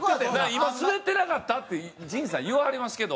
今スベってなかった？って陣さん言わはりますけど。